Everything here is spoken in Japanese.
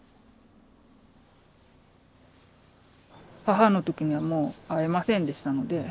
母の時にはもう会えませんでしたので。